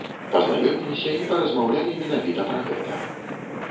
Пазнаёміліся і паразмаўлялі менавіта пра гэта.